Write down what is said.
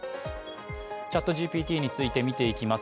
ＣｈａｔＧＰＴについて見ていきます。